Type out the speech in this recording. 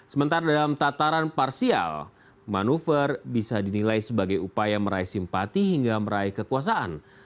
sementara dalam tataran parsial manuver bisa dinilai sebagai upaya meraih simpati hingga meraih kekuasaan